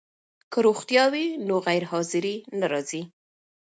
که روغتیا وي نو غیرحاضري نه راځي.